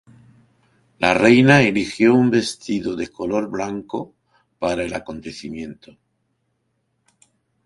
La reina eligió un vestido de color blanco para el acontecimiento.